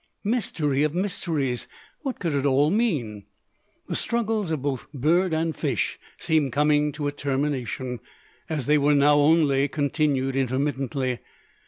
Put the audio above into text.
Mystery of mysteries! What could it all mean? The struggles of both bird and fish seemed coming to a termination: as they were now only continued intermittently.